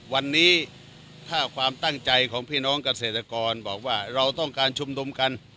วันนี้ถ้าความตั้งใจของพี่น้องเกษตรกรบอกว่าเราต้องการชุมนุมกัน